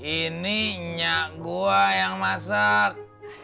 ini minyak gua yang masak